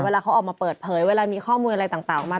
เวลาเขาออกมาเปิดเผยเวลามีข้อมูลอะไรต่างออกมา